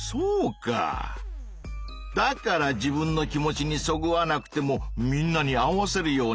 だから自分の気持ちにそぐわなくてもみんなに合わせるようにするのか。